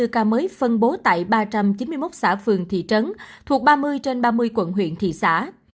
hai tám trăm tám mươi bốn ca mới phân bố tại ba trăm chín mươi một xã phường thị trấn thuộc ba mươi trên ba mươi quận huyện thị xã